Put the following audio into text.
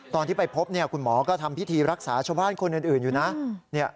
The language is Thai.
ตอนที่ไปพบคุณหมอก็ทำพิธีรักษาชาวบ้านคนอื่นอยู่นะ